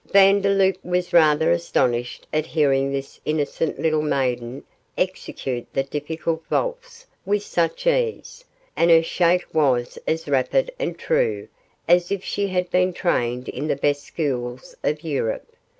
Vandeloup was rather astonished at hearing this innocent little maiden execute the difficult valse with such ease, and her shake was as rapid and true as if she had been trained in the best schools of Europe.